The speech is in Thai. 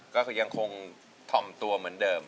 ก็คือยังคงถ่อมตัวเหมือนเดิม